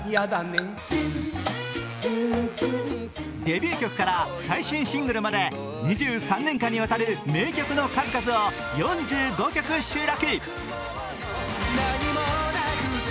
デビュー曲から最新シングルまで２３年間にわたる名曲の数々を４５曲収録。